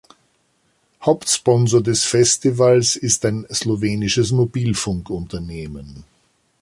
Hauptsponsor des Festivals ist ein slowenisches Mobilfunkunternehmen.